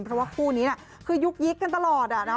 เพราะว่าคู่นี้น่ะคือยุกยิกกันตลอด